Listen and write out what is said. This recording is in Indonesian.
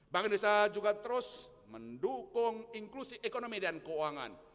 bank indonesia juga terus mendukung inklusi ekonomi dan keuangan